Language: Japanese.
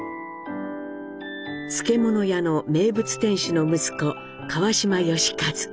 漬物屋の名物店主の息子・川島喜一。